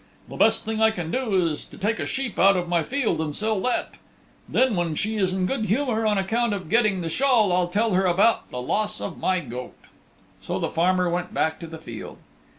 The best thing I can do is to take a sheep out of my field and sell that. Then when she is in good humor on account of getting the shawl I'll tell her about the loss of my goat." So the farmer went back to the field.